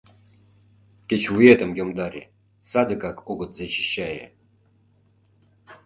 Кеч вуетым йомдаре, садыгак огыт защищае...